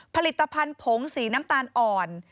ผลิตภัณฑ์ผงสีน้ำตาลอ่อน